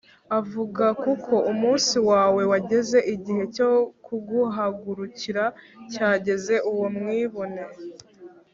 avuga kuko umunsi wawe wageze igihe cyo kuguhagurukira cyageze Uwo Mwibone